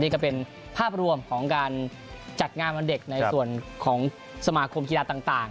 นี่ก็เป็นภาพรวมของการจัดงานวันเด็กในส่วนของสมาคมกีฬาต่าง